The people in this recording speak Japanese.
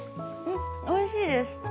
おいしいです。